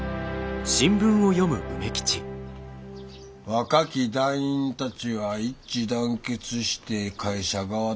「若き団員たちは一致団結して会社側と闘う決意」。